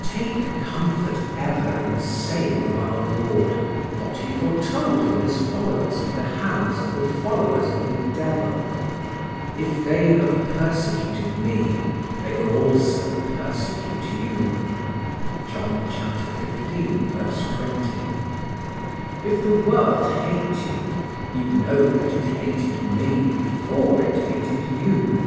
Take comfort ever in the saying of Our Lord, what he foretold for his followers at the hands of the followers of the devil: "If they have persecuted me, they will also persecute you (John xv, 20). If the world hate you, ye know that it hated me before it hated you.